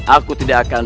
aku tidak akan